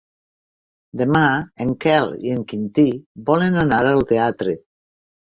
Demà en Quel i en Quintí volen anar al teatre.